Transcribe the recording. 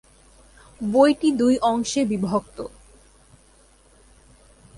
বইটি দুই অংশে বিভক্ত।